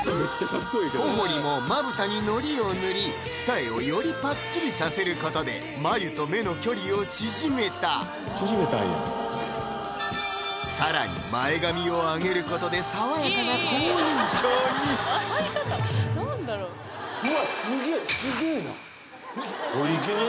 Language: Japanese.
小堀もまぶたにノリを塗り二重をよりぱっちりさせることで眉と目の距離を縮めた縮めたんや更に前髪を上げることで爽やかな好印象に笑い方何だろう